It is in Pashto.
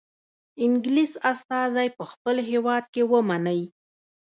انګلیس استازی په خپل هیواد کې ومنئ.